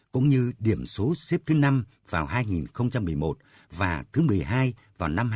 cũng như điểm số xếp thứ năm vào hai nghìn một mươi một và thứ một mươi hai vào năm hai nghìn hai mươi